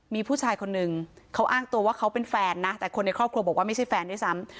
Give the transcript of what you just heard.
มีผู้ชายคนนึงเขาอ้างตัวว่าเขาเป็นแฟนนะแต่คนในครอบครัวบอกว่าไม่ใช่แฟนด้วยซ้ำ